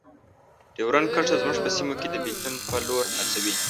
ډیورنډ کرښه زموږ په سیمو کې د بیلتون په لور هڅوي.